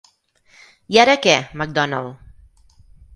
I ara què, Mcdonald?